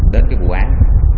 đến cái vụ án